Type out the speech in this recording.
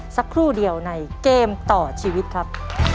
สักครู่เดียวในเกมต่อชีวิตครับ